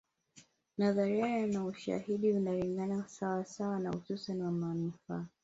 Nadharia na ushahidi vinalingana sawa sawa na uhusiano wa manufaa